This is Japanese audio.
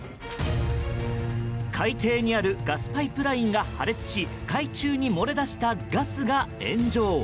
海底にあるガスパイプラインが破裂し海中に漏れ出したガスが炎上。